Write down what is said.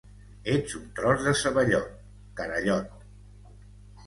Ets un tros de ceballot, carallot